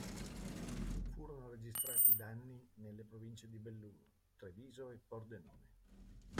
Furono registrati danni nelle province di Belluno, Treviso e Pordenone.